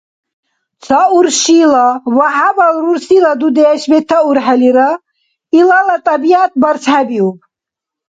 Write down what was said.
Ца уршила ва хӀябал рурсила дудеш ветаурхӀелира, илала тӀабигӀят барсхӀебиуб